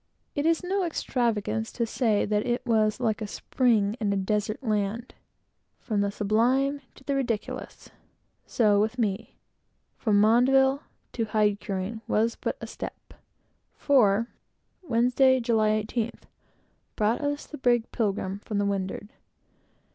It is no extravagance to say that it was like a spring in a desert land. From the sublime to the ridiculous so with me, from Mandeville to hide curing, was but a step; for Wednesday, July 18th, brought us the brig Pilgrim from the windward.